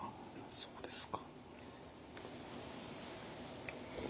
そうですね。